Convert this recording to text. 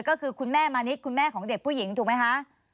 ก็คือคุณแม่มานิดคุณแม่ของเด็กผู้หญิงถูกไหมคะ